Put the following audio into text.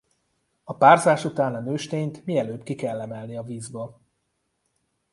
A párzás utána a nőstényt mielőbb ki kell emelni a vízből.